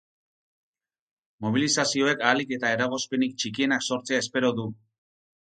Mobilizazioek ahalik eta eragozpenik txikienak sortzea espero du.